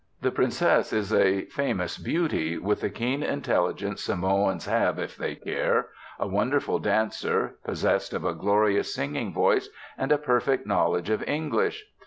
The princess is a famous beauty, with the keen intelligence Samoans have if they care, a wonderful dancer, possessed of a glorious singing voice and a perfect knowledge of English.